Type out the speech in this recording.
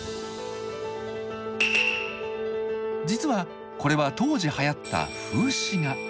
実はこれは当時流行った「風刺画」。